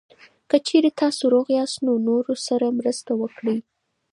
که چېرې تاسو روغ یاست، نو نورو سره مرسته وکړئ.